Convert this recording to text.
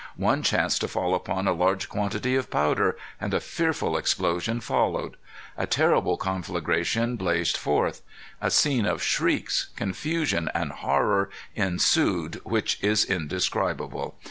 One chanced to fall upon a large quantity of powder, and a fearful explosion followed. A terrible conflagration blazed forth. A scene of shrieks, confusion, and horror ensued which is indescribable.